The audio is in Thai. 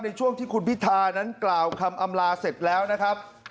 ในช่วงที่คุณพิธานั้นกล่าวคำอำลาเสร็จแล้วนะครับ